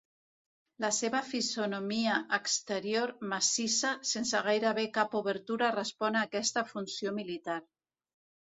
La seva fisonomia exterior massissa sense gairebé cap obertura respon a aquesta funció militar.